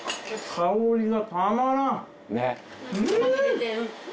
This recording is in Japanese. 香りがたまらん！